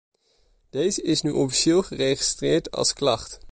Deze is nu officieel geregistreerd als klacht.